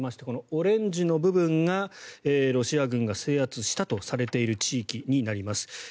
このオレンジの部分がロシア軍が制圧したとされている地域になります。